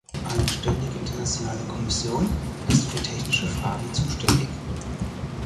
Eine ständige internationale Kommission ist für technische Fragen zuständig.